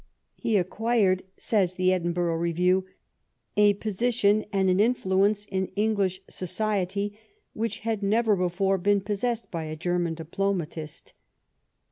" He acquired," says the "Edinburgh Review," "a posi tion and an influence in English society which had never before been possessed by a German diplomatist."